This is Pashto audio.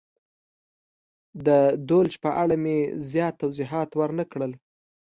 د دولچ په اړه مې زیات توضیحات ور نه کړل.